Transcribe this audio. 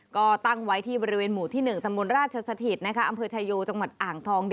ก็ตั้งไว้ที่บริเวณหมู่ที่๑ตำบลราชสถิตอำเภอชายโยจังหวัดอ่างทอง